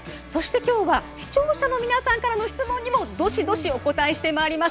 今日は視聴者の皆さんからの質問にもどしどしお答えしてまいります。